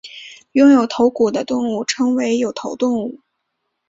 拥有头骨的动物称为有头动物。